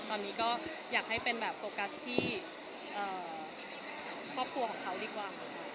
ตอนนี้ก็อยากให้เป็นแบบโฟกัสที่ครอบครัวของเขาดีกว่า